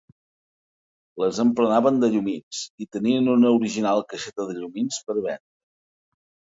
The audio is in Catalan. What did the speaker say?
Les emplenaven de llumins i tenien una original caixeta de llumins per a vendre.